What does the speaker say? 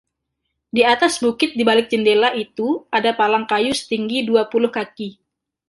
Di atas bukit di balik jendela itu ada palang kayu setinggi dua puluh kaki.